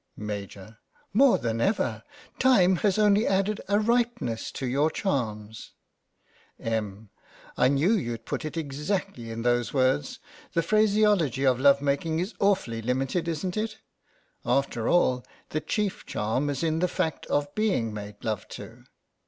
Maj. : More than ever. Time has only added a ripeness to your charms. Em, : I knew you'd put it exactly in those words. The phraseology of love making is awfully limited, isn't it? After all, the chief charm is in the fact of being made love to.